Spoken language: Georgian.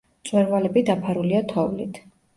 მწვერვალები დაფარულია თოვლით.